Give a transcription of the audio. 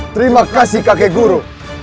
terima kasih kakek guru